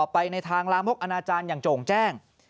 ไปในทางลามกอนาจารย์อย่างโจ่งแจ้ง